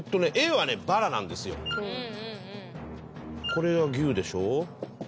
これは牛でしょ。